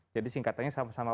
jadi singkatannya sama sama